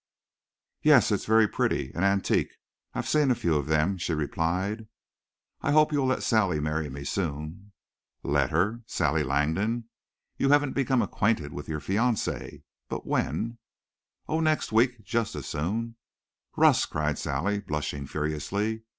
"Yes. It's very pretty. An antique. I've seen a few of them," she replied. "I hope you'll let Sally marry me soon." "Let her? Sally Langdon? You haven't become acquainted with your fiancee. But when " "Oh, next week, just as soon " "Russ!" cried Sally, blushing furiously.